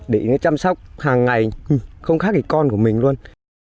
để ý nó chăm sóc hàng ngày không khác cái con của mình luôn